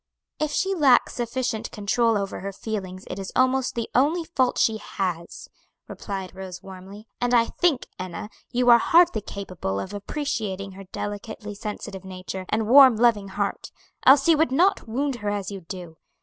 "If she lacks sufficient control over her feelings it is almost the only fault she has," replied Rose warmly. "And I think, Enna, you are hardly capable of appreciating her delicately sensitive nature, and warm, loving heart, else you would not wound her as you do.